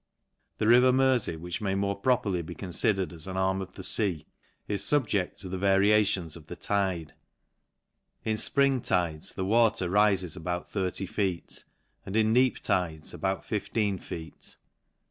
The river Merfey^ which may more properly be confidered as an arm of the fea, is fubje£t to the va riations of the tide. In fpring tides, the water rifes about thirty feet ; and in neap tides, about fifteen feet.